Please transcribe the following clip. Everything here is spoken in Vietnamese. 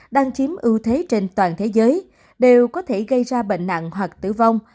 đang chiếm ưu thế trên toàn thế giới đều có thể gây ra bệnh nặng hoặc tử vong